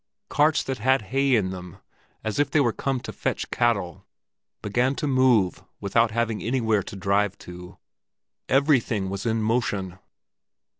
Carts that had hay in them, as if they were come to fetch cattle, began to move without having anywhere to drive to. Everything was in motion.